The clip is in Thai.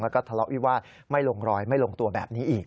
แล้วก็ทะเลาะวิวาสไม่ลงรอยไม่ลงตัวแบบนี้อีก